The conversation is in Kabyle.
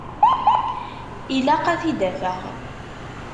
Ilaq ad t-id-afeɣ.